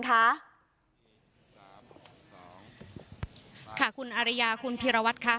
ค่ะคุณอาริยาคุณพีรวัตรค่ะ